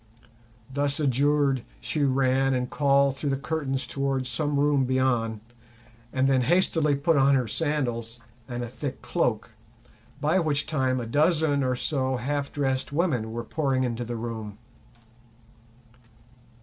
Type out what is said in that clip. Thus adjured she ran and called through the curtains towards some room beyond, and then hastily put on her sandals and a thick cloak, by which time a dozen or so of half dressed women were pouring into the room.